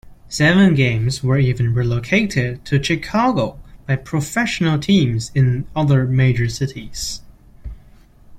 Seven games were even relocated to Chicago by professional teams in other major cities.